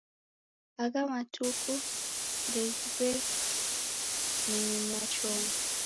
Agha malagho ndeghiw'eningia chongo.